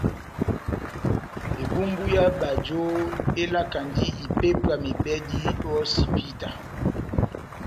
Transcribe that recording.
Ebumbu yá bajo elakandi ipépwa mebɛdi o hosipita.